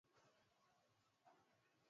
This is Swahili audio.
kwa hiyo mwezi desemba mawaziri walipatana kule